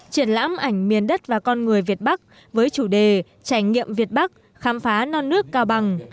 triển lãm ảnh miền đất và con người việt bắc với chủ đề trải nghiệm việt bắc khám phá non nước cao bằng